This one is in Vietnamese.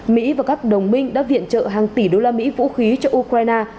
mỹ và các đồng minh đã viện trợ hàng tỷ đô la mỹ vũ khí cho ukraine